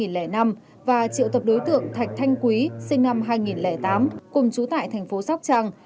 năm hai nghìn năm và triệu tập đối tượng thạch thanh quý sinh năm hai nghìn tám cùng trú tại thành phố sóc trăng